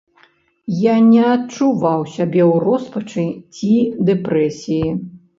Я не адчуваў сябе ў роспачы ці дэпрэсіі.